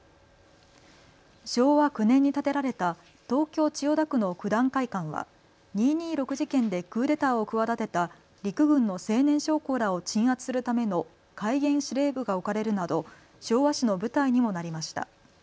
昭和９年に建てられた東京千代田区の九段会館は二・二六事件でクーデターを企てた陸軍の青年将校らを鎮圧するための戒厳司令部が置かれるなど昭和史の舞台にもなりました。